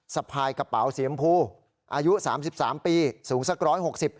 สะพายกระเป๋าสียมพูอายุ๓๓ปีสูงสัก๑๖๐